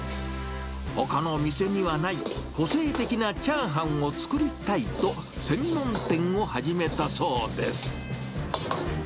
ほかの店にはない、個性的なチャーハンを作りたいと、専門店を始めたそうです。